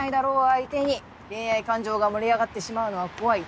相手に恋愛感情が盛り上がってしまうのは怖い。